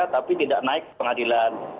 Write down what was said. tapi tidak naik pengadilan